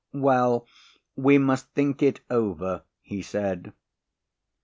"Well, we must think it over," he said.